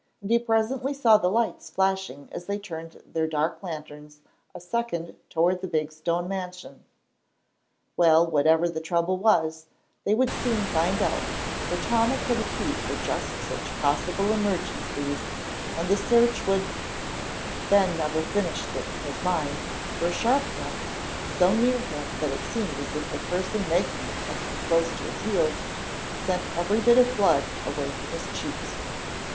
And he presently saw the lights flashing as they turned their dark lanterns a second toward the big stone mansion. Well, whatever the trouble was, they would soon find out, for Thomas had a key for just such possible emergencies, and the search would Ben never finished it in his mind, for a sharp noise, so near him that it seemed as if the person making it must be close to his heels, sent every bit of blood away from his cheeks.